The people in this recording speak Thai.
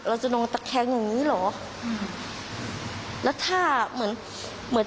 เราจะนองตะแคงแบบนี้หรอะแล้วถ้าเขินเหมือน